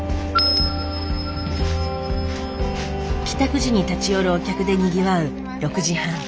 帰宅時に立ち寄るお客でにぎわう６時半。